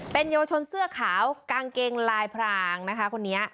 เป็นเยาวชนเสื้อขาวกางเกงลายพรางนะคะคนนี้